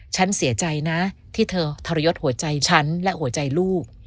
ฉันเสียใจนะที่เธอทรยศหัวใจฉันและหัวใจลูก